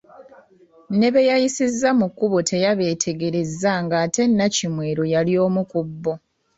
Ne beyayisiza mu kkubo teyabeetegereza ng’ate Nnakimwero yali omu ku bo.